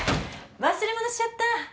忘れ物しちゃった。